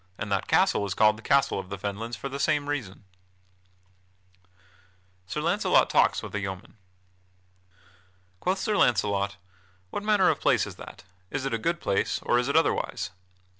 And that castle is called the Castle of the Fenlands for the same reason." [Sidenote: Sir Launcelot talks with a yeoman] Quoth Sir Launcelot: "What manner of place is that? Is it a good place, or is it otherwise?"